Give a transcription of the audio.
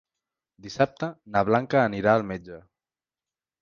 Dissabte na Blanca anirà al metge.